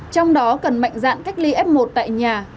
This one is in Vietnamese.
trong đó cần mạnh dạn cách ly f một tại nhà